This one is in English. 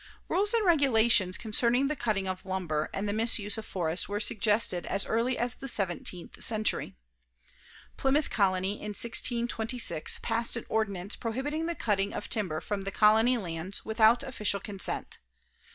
Rules and regulations concerning the cutting of lumber and the misuse of forests were suggested as early as the seventeenth century. Plymouth Colony in 1626 passed an ordinance prohibiting the cutting of timber from the Colony lands without official consent.